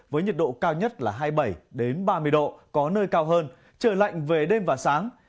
với nhiệt độ cao nhất là hai mươi bảy ba mươi độ có nơi cao hơn trời lạnh về đêm và sáng